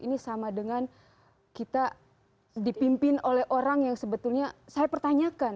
ini sama dengan kita dipimpin oleh orang yang sebetulnya saya pertanyakan